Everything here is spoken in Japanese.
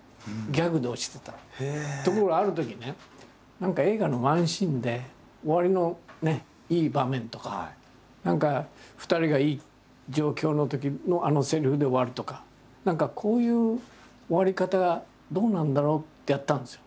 何か映画のワンシーンで終わりのいい場面とか何か２人がいい状況のときのあのせりふで終わるとか何かこういう終わり方どうなんだろうってやったんですよ。